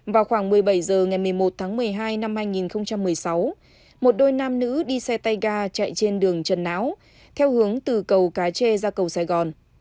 vào khoảng một mươi bảy h ngày một mươi một tháng một mươi hai năm hai nghìn một mươi sáu một đôi nam nữ đi xe tay ga chạy trên đường trần não theo hướng từ cầu cái chê ra cầu sài gòn